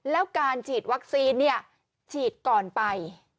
แล้วการฉีดวัคซีนฉีดก่อนไป